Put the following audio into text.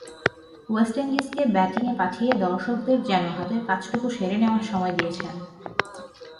West ইন্ডিজকে ব্যাটিংয়ে পাঠিয়ে দর্শকদের যেন হাতের কাজটুকু সেরে নেওয়ার সময় দিয়েছেন।